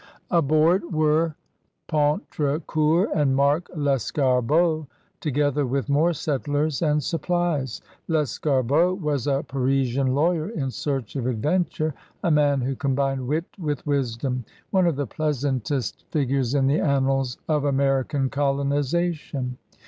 Aboard were 88 CRUSADERS OP NEW PRANCE Poutrincourt and Marc Lescarbot, together with more settlers and supplies. Lescarbot was a Parisian lawyer in search of adventure, a man who combined wit with wisdom, one of the pleasant est figures in the annals of American colonization.